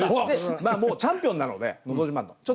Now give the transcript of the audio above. でまあもうチャンピオンなので「のど自慢」の。